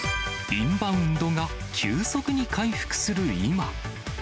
インバウンドが急速に回復する今。